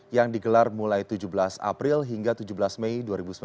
yang digelar mulai tujuh belas april hingga tujuh belas mei dua ribu sembilan belas